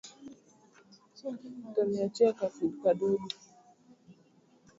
ubora wa hewaHatua ya kwanza ya kusimamia vizuri uchafuzi